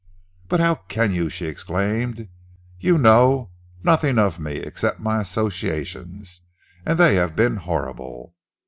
"But how can you?" she exclaimed. "You know, nothing of me except my associations, and they have been horrible.